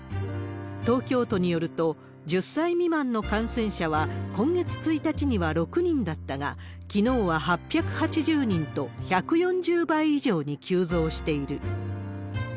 東京都によると、１０歳未満の感染者は今月１日には６人だったが、きのうは８８０人と、１４０倍以上に急増している。